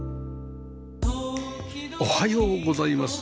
おはようございます。